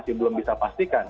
masih belum bisa pastikan